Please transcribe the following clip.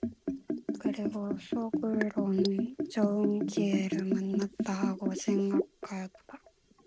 그리고 속으로는 좋은 기회를 만났다 하고 생각하였다.